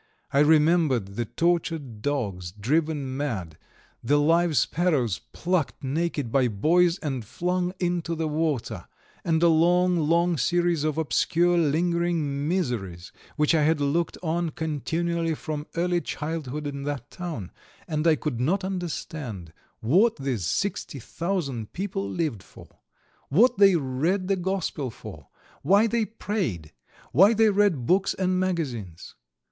I remembered the tortured dogs, driven mad, the live sparrows plucked naked by boys and flung into the water, and a long, long series of obscure lingering miseries which I had looked on continually from early childhood in that town; and I could not understand what these sixty thousand people lived for, what they read the gospel for, why they prayed, why they read books and magazines.